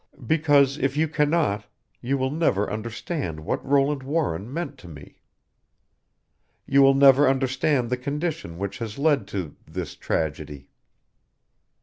Because if you cannot you will never understand what Roland Warren meant to me. You will never understand the condition which has led to this tragedy."